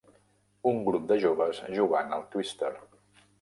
Un grup de joves jugant al Twister.